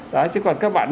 đấy chứ còn các bạn